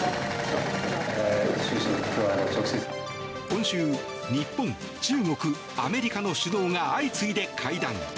今週、日本、中国アメリカの首脳が相次いで会談。